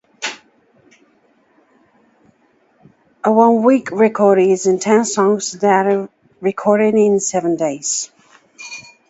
A One Week Record is ten songs that are recorded in seven days.